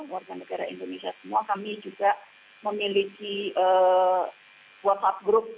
warga negara indonesia semua kami juga memiliki whatsapp group